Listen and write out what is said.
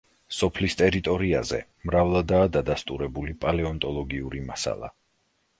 სოფლის ტერიტორიაზე მრავლადაა დადასტურებული პალეონტოლოგიური მასალა.